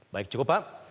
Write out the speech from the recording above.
baik cukup pak